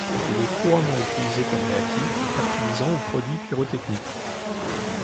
Il est couramment utilisé comme réactif, fertilisant ou produit pyrotechnique.